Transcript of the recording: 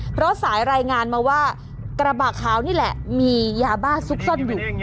เพราะสายรายงานมาว่ากระบะขาวนี่แหละมียาบ้าซุกซ่อนอยู่